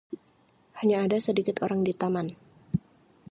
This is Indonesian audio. Hanya ada sedikit orang di taman.